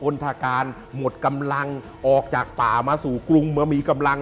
ณฑการหมดกำลังออกจากป่ามาสู่กรุงเมื่อมีกำลัง